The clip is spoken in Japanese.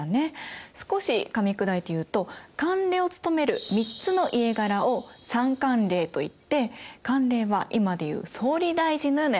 少しかみ砕いて言うと管領を務める３つの家柄を三管領といって管領は今で言う総理大臣のような役割。